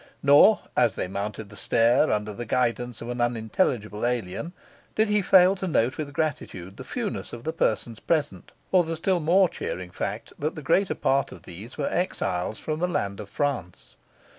Nor, as they mounted the stair under the guidance of an unintelligible alien, did he fail to note with gratitude the fewness of the persons present, or the still more cheering fact that the greater part of these were exiles from the land of France.